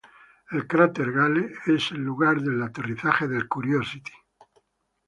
El cráter Gale es el lugar del aterrizaje del "Curiosity".